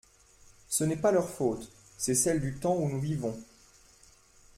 Ce n’est pas leur faute : c’est celle du temps où nous vivons.